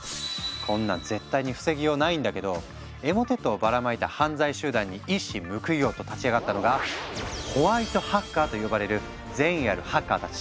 こんなん絶対に防ぎようないんだけどエモテットをばらまいた犯罪集団に一矢報いようと立ち上がったのが「ホワイトハッカー」と呼ばれる善意あるハッカーたち。